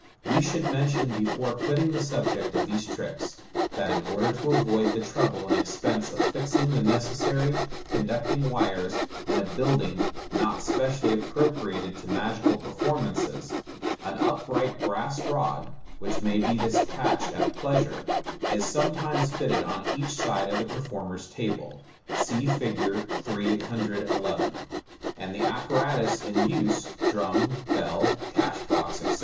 We should mention, before quitting the sub ject of these tricks, that in order to avoid the trouble and expense of fixing the necessary con ducting wires in a build ing not specially appro priated to magical per formances, an upright brass rod (which may be detached at pleasure) is sometimes fitted on each side of the performer's table (see Fig. 311), and the apparatus in use (drum, bell, cash box, etc.)